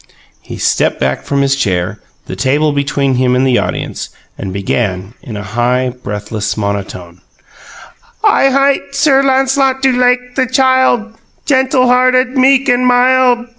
He stepped back from his chair, the table between him and the audience, and began in a high, breathless monotone: "I hight Sir Lancelot du Lake, the Child, Gentul hearted, meek, and mild.